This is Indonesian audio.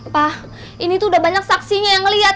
wah ini tuh udah banyak saksinya yang ngeliat